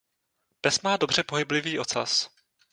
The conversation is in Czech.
Pes má dobře pohyblivý ocas.